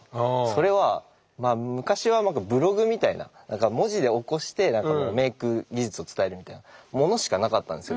それは昔はブログみたいな何か文字で起こしてメイク技術を伝えるみたいなものしかなかったんですよ